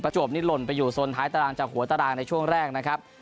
จวบนี้หล่นไปอยู่สนท้ายตารางจากหัวตารางในช่วงแรกนะครับ